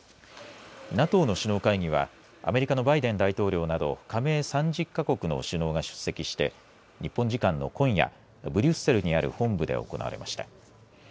ＮＡＴＯの首脳会議はアメリカのバイデン大統領など加盟３０か国の首脳が出席して日本時間の今夜ブリュッセルにある本部で行われました。